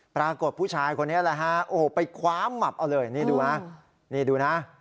ปรากฏผู้ชายคนนี้แหละฮะโอ้โหไปคว้ามับเอาเลยนี่ดูนะนี่ดูนะ